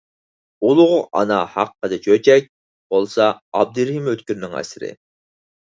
«ئۇلۇغ ئانا ھەققىدە چۆچەك» بولسا ئابدۇرېھىم ئۆتكۈرنىڭ ئەسىرى.